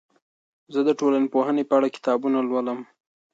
زه د ټولنپوهنې په اړه کتابونه لولم.